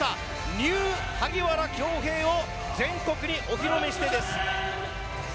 ニュー萩原京平を全国にお披露目しました。